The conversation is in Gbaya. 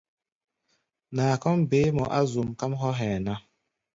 Naa kɔ́ʼm beé mɔ á zuʼm, káʼm hɔ́ hɛ̧ɛ̧ ná.